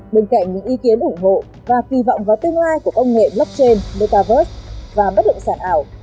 bên cạnh những ý kiến ủng hộ và kỳ vọng vào tương lai của công nghệ blockchain metavers và bất động sản ảo